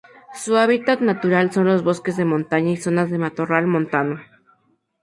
Su hábitat natural son los bosques de montaña y zonas de matorral montano.